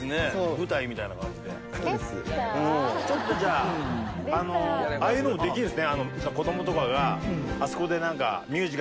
ちょっとじゃあああいうのもできるんすね。